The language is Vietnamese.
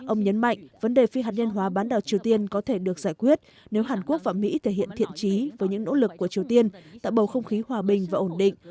ông nhấn mạnh vấn đề phi hạt nhân hóa bán đảo triều tiên có thể được giải quyết nếu hàn quốc và mỹ thể hiện thiện trí với những nỗ lực của triều tiên tạo bầu không khí hòa bình và ổn định